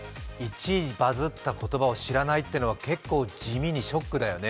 １位にバズッた言葉を知らないっていうのは結構地味にショックだよね。